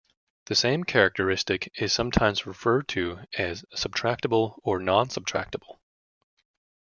The same characteristic is sometimes referred to as subtractable or non-subtractable.